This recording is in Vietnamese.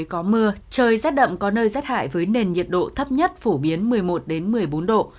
có mưa trời rét đậm có nơi rét hại với nền nhiệt độ thấp nhất phổ biến một mươi một một mươi bốn độ